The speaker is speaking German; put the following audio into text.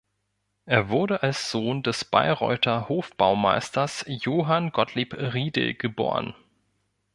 Er wurde als Sohn des Bayreuther Hofbaumeisters Johann Gottlieb Riedel geboren.